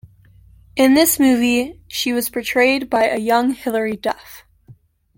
In this movie, she was portrayed by a young Hilary Duff.